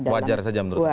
wajar saja menurut anda